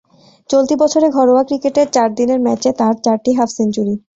চলতি বছরে ঘরোয়া ক্রিকেটের চার দিনের ম্যাচে তাঁর চারটি হাফ সেঞ্চুরি।